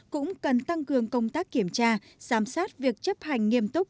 cũng cần tăng cường công tác kiểm tra giám sát việc chấp hành nghiêm túc